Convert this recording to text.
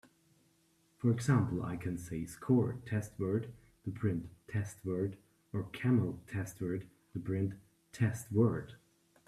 For example, I can say "score test word" to print "test word", or "camel test word" to print "testWord".